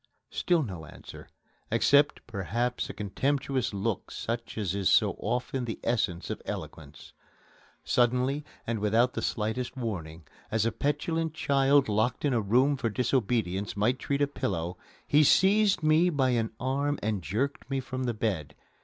Still no answer, except perhaps a contemptuous look such as is so often the essence of eloquence. Suddenly, and without the slightest warning, as a petulant child locked in a room for disobedience might treat a pillow, he seized me by an arm and jerked me from the bed.